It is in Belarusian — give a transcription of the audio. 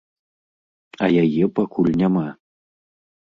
А яе пакуль няма.